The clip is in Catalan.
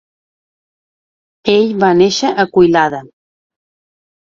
Ell va néixer a Koilada.